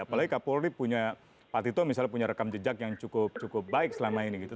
apalagi kapolri punya pak tito misalnya punya rekam jejak yang cukup baik selama ini gitu